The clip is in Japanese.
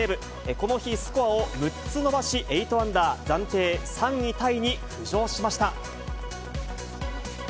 この日、スコアを６つ伸ばし８アンダー、暫定３位タイに浮上しました。